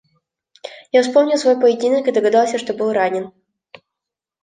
Я вспомнил свой поединок и догадался, что был ранен.